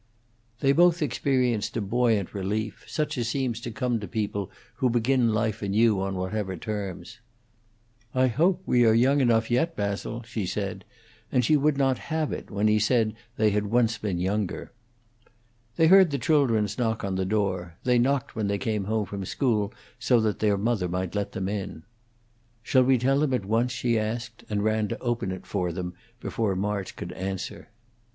They both experienced a buoyant relief, such as seems to come to people who begin life anew on whatever terms. "I hope we are young enough yet, Basil," she said, and she would not have it when he said they had once been younger. They heard the children's knock on the door; they knocked when they came home from school so that their mother might let them in. "Shall we tell them at once?" she asked, and ran to open for them before March could answer.